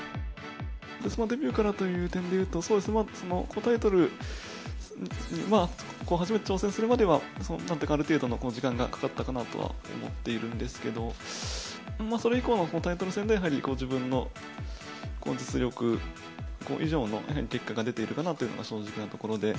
デビューからという点で言うと、タイトルに初めて挑戦するまでは、ある程度の時間がかかったかなとは思っているんですけど、それ以降のタイトル戦で、やはり自分の実力以上の結果が出ているかなというのが正直なところで。